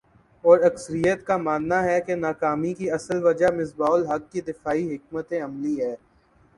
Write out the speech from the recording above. اور اکثریت کا ماننا ہے کہ ناکامی کی اصل وجہ مصباح الحق کی دفاعی حکمت عملی ہے ۔